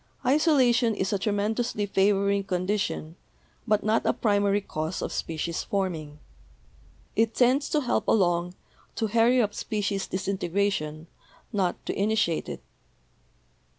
Isolation is a tremendously favoring condition, but not a primary cause of species forming. It FACTORS OTHER THAN SELECTION 235 tends to help along, to hurry up species disintegration, not to initiate it.